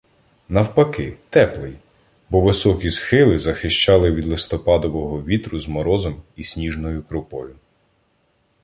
Навпаки - теплий, бо високі схили захищали від листопадового вітру з морозом і сніжною крупою.